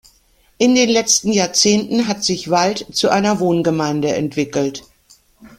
In den letzten Jahrzehnten hat sich Wald zu einer Wohngemeinde entwickelt.